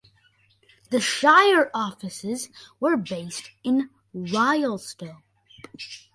The shire offices were based in Rylstone.